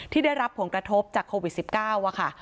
ที่ได้รับผลกระทบจากโควิด๑๙ค่ะ